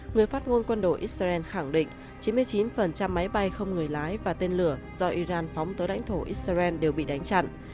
người phát ngôn quân đội israel khẳng định chín mươi chín máy bay không người lái và tên lửa do iran phóng tới đánh thổ israel đều bị đánh chặn